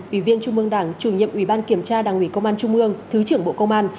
ủy viên trung mương đảng chủ nhiệm ủy ban kiểm tra đảng ủy công an trung ương thứ trưởng bộ công an